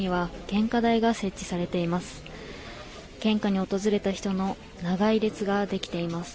献花に訪れた人の長い列ができています。